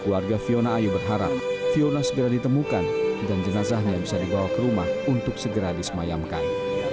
keluarga fiona ayu berharap fiona segera ditemukan dan jenazahnya bisa dibawa ke rumah untuk segera disemayamkan